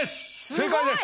正解です。